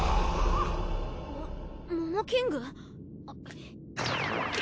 モモキング？